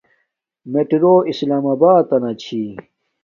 میتڑرو اسلام آباتنا چھی